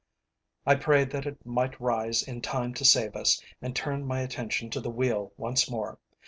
I prayed that it might rise in time to save us, and turned my attention to the wheel once more.